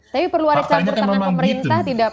tapi perlu ada campur tangan pemerintah tidak pak